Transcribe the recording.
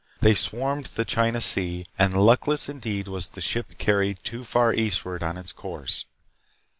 They swarmed the China Sea, and luckless indeed was the ship carried too far east ward on its course.